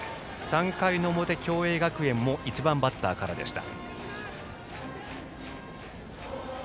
３回の表、共栄学園も１番バッターからでした。